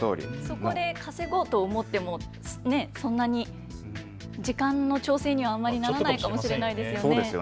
そこで稼ごうと思っても、そんなに時間の調整にはあまりならないかもしれないですよね。